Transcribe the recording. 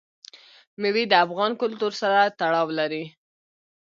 مېوې د افغان کلتور سره تړاو لري.